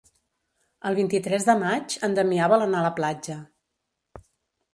El vint-i-tres de maig en Damià vol anar a la platja.